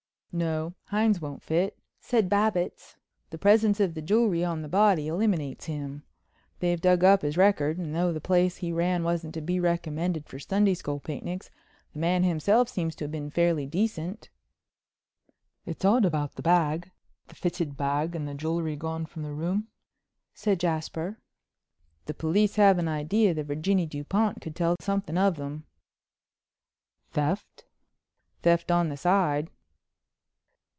"No, Hines won't fit," said Babbitts. "The presence of the jewelry on the body eliminates him. They've dug up his record and though the place he ran wasn't to be recommended for Sunday school picnics, the man himself seems to have been fairly decent." "It's odd about the bag—the fitted bag and the jewelry gone from the room," said Jasper. "The police have an idea that Virginie Dupont could tell something of them." "Theft?" "Theft on the side."